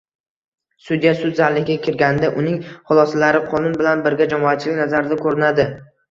Sudya sud zaliga kirganida, uning xulosalari qonun bilan birga jamoatchilik nazarida ko'rinadi